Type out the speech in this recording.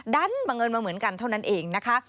บังเอิญมาเหมือนกันเท่านั้นเองนะคะ